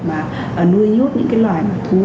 nuôi nhốt những loài thú